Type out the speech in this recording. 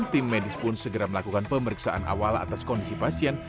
tim medis pun segera melakukan pemeriksaan awal atas kondisi pasien